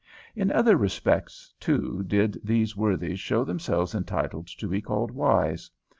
In other respects, too, did these worthies show themselves entitled to be called wise.